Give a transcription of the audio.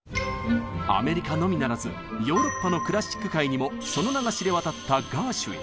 アメリカのみならずヨーロッパのクラシック界にもその名が知れ渡ったガーシュウィン。